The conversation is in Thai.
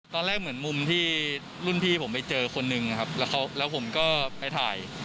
ตอนแรกเหมือนมุมที่รุ่นพี่ผมไปเจอคนนึงนะครับแล้วผมก็ไปถ่าย